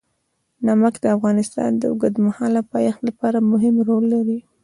نمک د افغانستان د اوږدمهاله پایښت لپاره مهم رول لري.